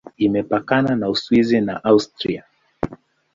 Imepakana na Uswisi na Austria.